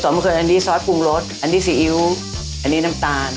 ส่วนผสมคืออันนี้ซอสปรุงรสอันนี้สีอิ๊วอันนี้น้ำตาล